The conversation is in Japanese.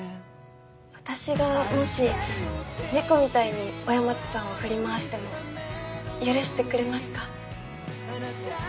私がもし猫みたいに親松さんを振り回しても許してくれますか？